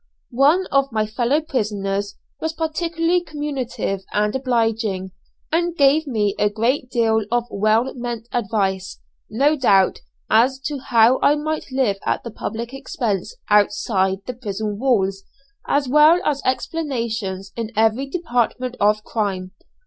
One of my fellow prisoners was particularly communicative and obliging, and gave me a great deal of well meant advice, no doubt, as to how I might live at the public expense outside the prison walls, as well as explanations in every department of crime.